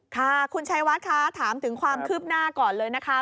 ค่ะคุณชัยวัดคะถามถึงความคืบหน้าก่อนเลยนะคะ